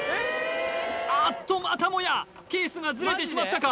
あっとまたもやケースがズレてしまったか？